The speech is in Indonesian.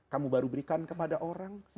kamu baru berikan kepada orang